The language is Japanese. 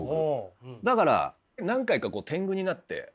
だから何回か天狗になって。